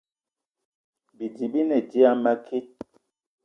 Bidi bi ne dia a makit